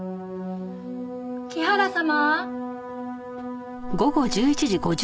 木原様？